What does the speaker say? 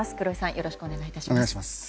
よろしくお願いします。